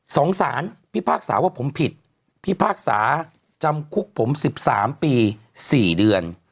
สงสารพิพากษาว่าผมผิดพิพากษาจำคุกผม๑๓ปี๔เดือน